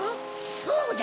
そうだ！